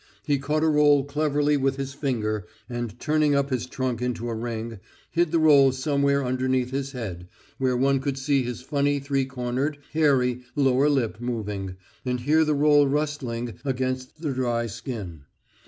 He caught a roll cleverly with his finger, and turning up his trunk into a ring hid the roll somewhere underneath his head, where one could see his funny three cornered, hairy, lower lip moving, and hear the roll rustling against the dry skin.